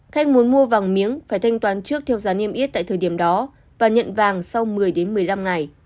khách muốn mua vàng miếng phải thanh toán trước theo giá niêm yết tại thời điểm đó và nhận vàng sau một mươi một mươi năm ngày